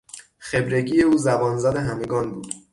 خبرگی او زبانزد همگان بود